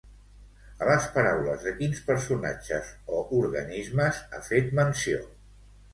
A les paraules de quins personatges o organismes ha fet menció?